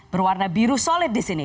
berwarna biru solid disini